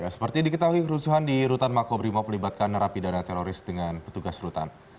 seperti diketahui kerusuhan di rutan makobrimob melibatkan narapidana teroris dengan petugas rutan